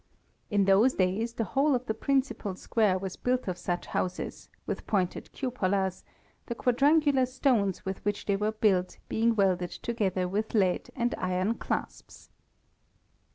In those days the whole of the principal square was built of such houses, with pointed cupolas, the quadrangular stones with which they were built being welded together with lead and iron clasps.